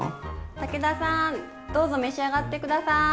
武田さんどうぞ召し上がって下さい！